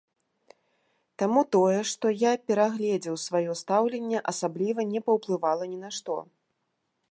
Таму тое, што я перагледзеў сваё стаўленне, асабліва не паўплывала ні на што.